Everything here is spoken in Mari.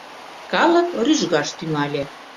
Калык рӱжгаш тӱҥале.